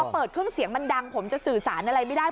เปิดเครื่องเสียงมันดังผมจะสื่อสารอะไรไม่ได้